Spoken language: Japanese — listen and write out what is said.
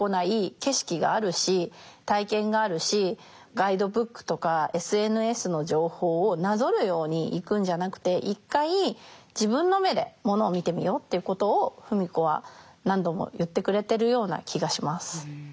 ガイドブックとかＳＮＳの情報をなぞるように行くんじゃなくて一回自分の目でものを見てみようっていうことを芙美子は何度も言ってくれてるような気がします。